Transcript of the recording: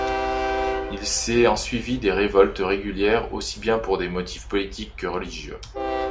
Il s'est ensuivi des révoltes régulières aussi bien pour des motifs politiques que religieux.